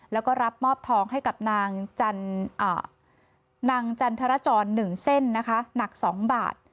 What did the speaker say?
แล้วก็รับมอบทองให้กับนางจันทรจร๑เส้นนะคะหนัก๒บาท